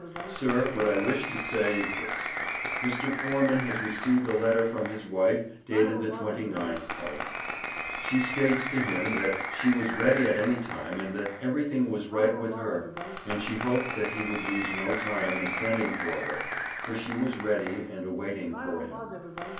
Sir, what I wish to Say is this. Mr. Forman has Received a letter from his wife dated the 29th ult. She States to him that She was Ready at any time, and that Everything was Right with her, and she hoped that he would lose no time in sending for her for she was Ready and awaiting for him.